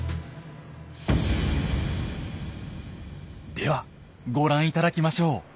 ではご覧頂きましょう。